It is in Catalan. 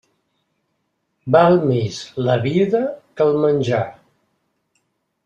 Val més la vida que el menjar.